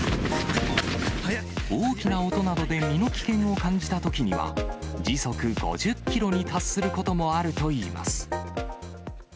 大きな音などで身の危険を感じたときには、時速５０キロに達することもあるといいます。